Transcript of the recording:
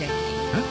えっ？